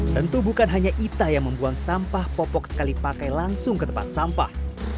tentu bukan hanya ita yang membuang sampah popok sekali pakai langsung ke tempat sampah